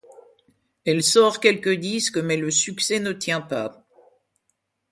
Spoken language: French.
Elle sort quelques disques, mais le succès ne tient pas.